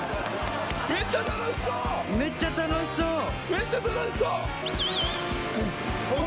めっちゃ楽しそう！